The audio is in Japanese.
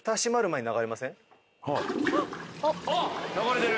流れてる！